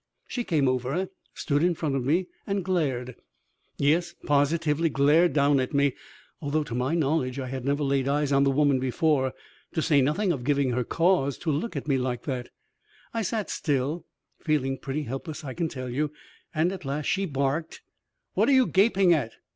She came over and stood in front of me and glared yes, positively glared down at me, although (to my knowledge) I had never laid eyes on the woman before, to say nothing of giving her cause to look at me like that. I sat still, feeling pretty helpless I can tell you, and at last she barked: "What are you gaping at?"